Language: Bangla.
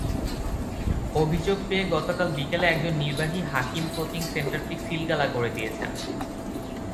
অভিযোগ পেয়ে গতকাল বিকেলে একজন নির্বাহী হাকিম কোচিং সেন্টারটি সিলগালা করে দিয়েছেন।